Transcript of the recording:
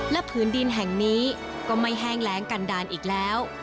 ผืนดินแห่งนี้ก็ไม่แห้งแรงกันดาลอีกแล้ว